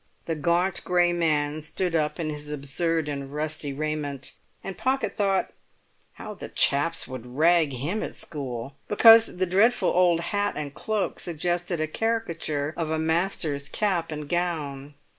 The gaunt grey man stood up in his absurd and rusty raiment, and Pocket thought, "How the chaps would rag him at school!" because the dreadful old hat and cloak suggested a caricature of a master's cap and gown.